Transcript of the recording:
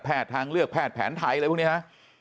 ทางเลือกแพทย์แผนไทยอะไรพวกนี้ฮะ